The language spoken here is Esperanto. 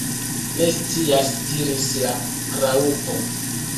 "Ne scias," diris la Raŭpo.